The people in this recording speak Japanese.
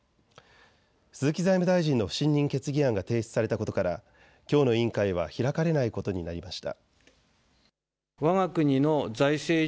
鈴木財務大臣の不信任決議案が提出されたことからきょうの委員会は開かれないことになりました。